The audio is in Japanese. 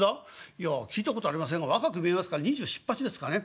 「いや聞いたことありませんが若く見えますから２７２８ですかね？